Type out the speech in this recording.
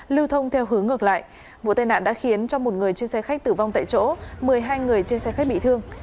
lưu thông theo hướng ngược lại vụ tai nạn đã khiến cho một người trên xe khách tử vong tại chỗ một mươi hai người trên xe khách bị thương